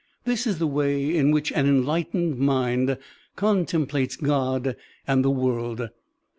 This is the way in which an enlightened mind contemplates God and the world.